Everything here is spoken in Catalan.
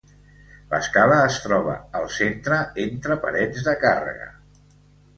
L'escala es troba al centre, entre parets de càrrega.